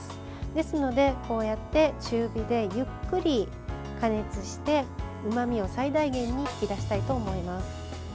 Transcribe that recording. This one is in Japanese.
ですので、こうやって中火でゆっくり加熱してうまみを最大限に引き出したいと思います。